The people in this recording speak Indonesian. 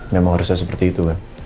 memang harusnya seperti itu